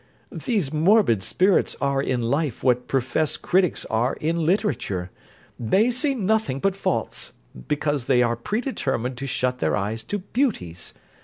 These morbid spirits are in life what professed critics are in literature; they see nothing but faults, because they are predetermined to shut their eyes to beauties.